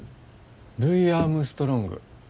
ルイ・アームストロング。